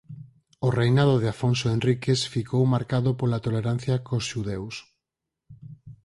O reinado de Afonso Henriques ficou marcado pola tolerancia cos xudeus.